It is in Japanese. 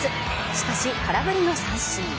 しかし、空振りの三振。